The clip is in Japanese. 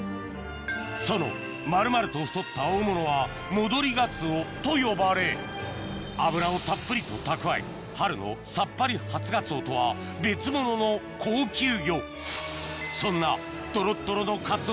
その丸々と太った大物はと呼ばれ脂をたっぷりと蓄え春のさっぱり初ガツオとは別物の高級魚そんなトロットロのカツオ